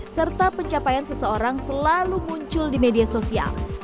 serta pencapaian seseorang selalu muncul di media sosial